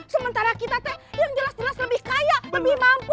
sementara kita teh yang jelas jelas lebih kaya lebih mampu